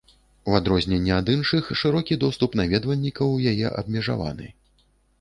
У адрозненне ад іншых, шырокі доступ наведвальнікаў у яе абмежаваны.